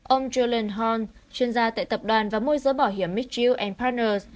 ông julian horn chuyên gia tại tập đoàn và môi giới bảo hiểm mitchell partners